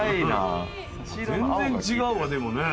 全然違うわでもね。